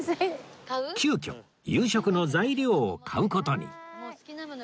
急きょ夕食の材料を買う事に